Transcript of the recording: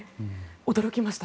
驚きました。